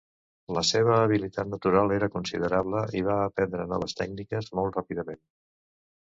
La seva habilitat natural era considerable i va aprendre noves tècniques molt ràpidament.